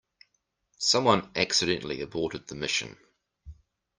Someone accidentally aborted the mission.